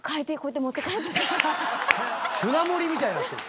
舟盛りみたいになってる。